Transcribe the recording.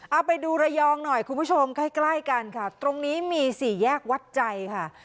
เอาไปดูระยองหน่อยคุณผู้ชมใกล้ใกล้กันค่ะตรงนี้มีสี่แยกวัดใจค่ะ